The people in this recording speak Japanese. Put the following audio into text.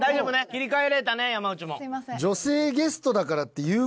切り替えれたね山内も。